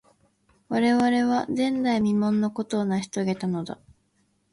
我々は、前代未聞のことを成し遂げたのだ。